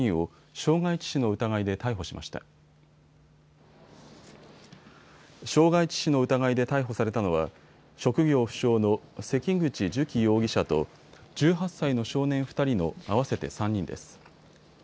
傷害致死の疑いで逮捕されたのは職業不詳の関口寿喜容疑者と１８歳の少年２人の合わせて３人です。